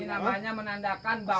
ini namanya menandakan bahwa